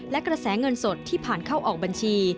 และกระแสเงินสดที่ผ่านเข้าออกบัญชี